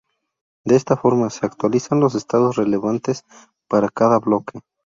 De esta forma, se actualizan los "estados relevantes" para cada bloque.